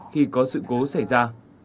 khi có sự cố xảy ra